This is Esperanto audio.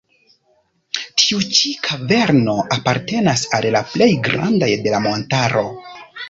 Tiu ĉi kaverno apartenas al la plej grandaj de la montaro.